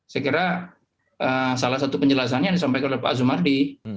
saya kira salah satu penjelasannya yang disampaikan oleh pak azumardi